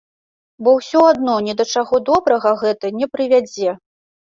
Бо ўсё адно ні да чаго добрага гэта не прывядзе.